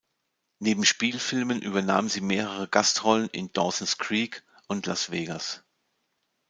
Neben Spielfilmen übernahm sie mehrere Gastrollen in "Dawson’s Creek" und "Las Vegas".